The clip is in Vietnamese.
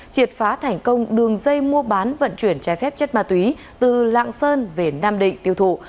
triệt phá thành công đường dây mua bán vận chuyển trái phép chất ma túy từ lạng sơn về nam định tiêu thụ